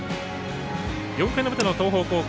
４回の表の東邦高校。